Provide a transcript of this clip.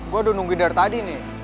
gue udah nungguin dari tadi nih